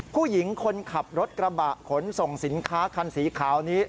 ผู้หญิงคนขับรถกระบะขนส่งสินค้าคันสีขาวนี้